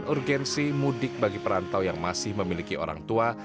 urgensi mudik bagi perantau yang masih memiliki orang tua